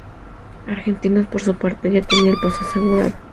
Argentinos, por su parte, ya tenía el pase asegurado.